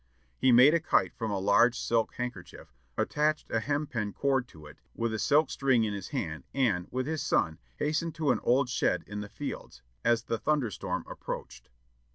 He made a kite from a large silk handkerchief, attached a hempen cord to it, with a silk string in his hand, and, with his son, hastened to an old shed in the fields, as the thunder storm approached.